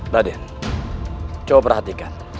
raden coba perhatikan